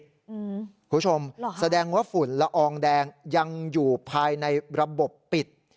คุณผู้ชมแสดงว่าฝุ่นละอองแดงยังอยู่ภายในระบบปิด